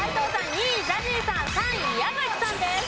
２位ＺＡＺＹさん３位宮崎さんです。